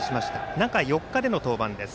中４日での登板。